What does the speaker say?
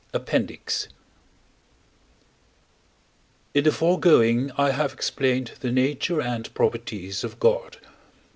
D. APPENDIX: In the foregoing I have explained the nature and properties of God.